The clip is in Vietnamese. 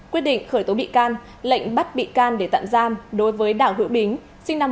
quyết định khởi tố bị can lệnh bắt bị can để tạm giam đối với đảng hữu bính sinh năm một nghìn chín trăm tám mươi